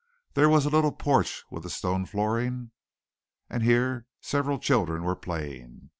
There was a little porch with a stone flooring, and here several children were playing.